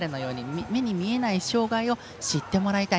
目に見えない障がいを知ってもらいたい。